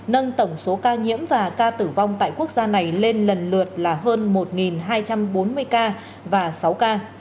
nâng tổng số ca nhiễm và ca tử vong tại quốc gia này lên lần lượt là hơn một hai trăm bốn mươi ca và sáu ca